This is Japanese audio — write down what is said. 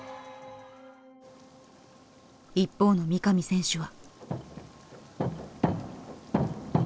一方の三上選手は。